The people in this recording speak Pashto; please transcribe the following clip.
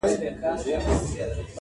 باندي جوړ د موږکانو بیر و بار وو,